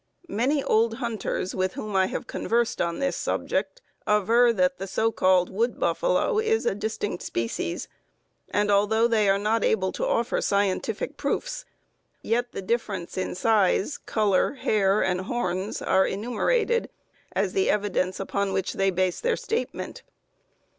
Many old hunters with whom I have conversed on this subject aver that the so called wood buffalo is a distinct species, and although they are not able to offer scientific proofs, yet the difference in size, color, hair, and horns, are enumerated as the evidence upon which they base their statement.